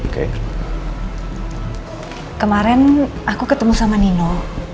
kemarin aku ketemu sama nino